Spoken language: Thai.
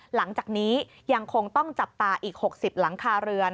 หลังจากนี้ยังคงต้องจับตาอีก๖๐หลังคาเรือน